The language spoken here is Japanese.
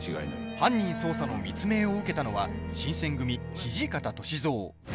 犯人捜査の密命を受けたのは新選組・土方歳三。